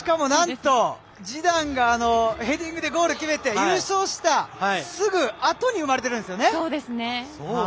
しかもなんと、ジダンがヘディングでゴールを決めて優勝した、すぐあとに生まれているんですね。